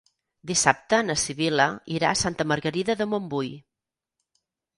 Dissabte na Sibil·la irà a Santa Margarida de Montbui.